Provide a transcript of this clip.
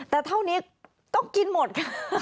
แต่เท่านี้ต้องกินหมดค่ะ